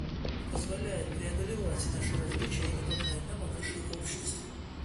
Он позволяет преодолевать наши различия и напоминает нам о нашей общности.